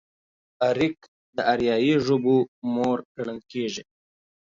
اريک د اريايي ژبو مور ګڼل کېږي.